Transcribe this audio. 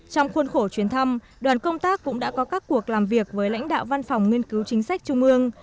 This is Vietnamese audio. trong khuôn khổ chuyến thăm đoàn công tác cũng đã có các cuộc làm việc với lãnh đạo văn phòng nghiên cứu chính sách trung ương